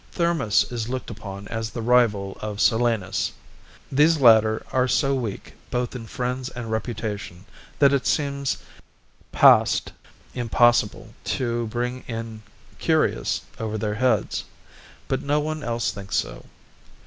Thermus is looked upon as the rival of Silanus. These latter are so weak both in friends and reputation that it seems pas impossible to bring in Curius over their heads. But no one else thinks so.